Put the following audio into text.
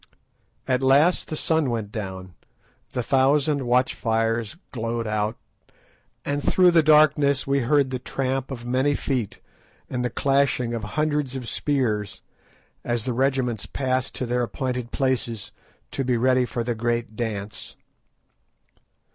At last the sun went down, the thousand watch fires glowed out, and through the darkness we heard the tramp of many feet and the clashing of hundreds of spears, as the regiments passed to their appointed places to be ready for the great dance.